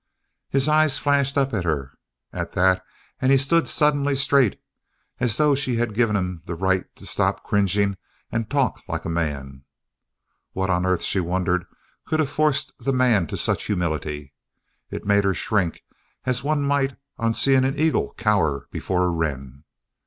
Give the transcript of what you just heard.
His eyes flashed up at her, at that, and he stood suddenly straight as though she had given him the right to stop cringing and talk like a man. What on earth, she wondered, could have forced the man to such humility? It made her shrink as one might on seeing an eagle cower before a wren.